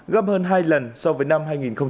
gấp hơn hai lần so với năm hai nghìn một mươi